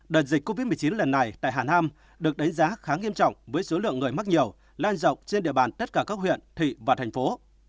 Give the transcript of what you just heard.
đợt dịch covid một mươi chín lần này tại hà nam được đánh giá khá nghiêm trọng với số lượng người mắc nhiều lan rộng trên địa bàn tất cả các huyện thị và thành phố